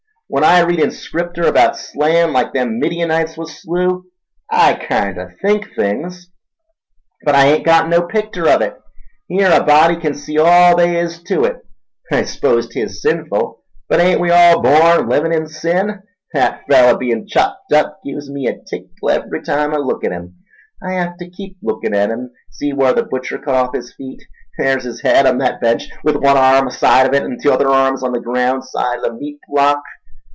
When I read in Scripter about slayin'—like them Midianites was slew—I kinder think things, but I ain't got no picter of it. Here a body kin see all they is to it—I s'pose 'tis sinful, but ain't we all born an' livin' in sin?—Thet feller bein' chopped up gives me a tickle every time I look at 'im—I hev ta keep lookin' at 'im—see whar the butcher cut off his feet? Thar's his head on thet bench, with one arm side of it, an' t'other arm's on the graound side o' the meat block."